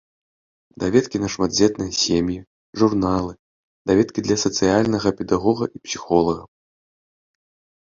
Даведкі на шматдзетныя сем'і, журналы, даведкі для сацыяльнага педагога і псіхолага.